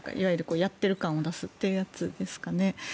やってる感を出すというやつですかね。